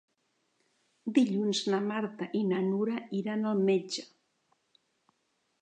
Dilluns na Marta i na Nura iran al metge.